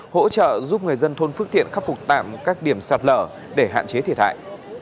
hỗ trợ giúp người dân thôn phước thiện khắc phục tạm các điểm sạt lở để hạn chế thiệt hại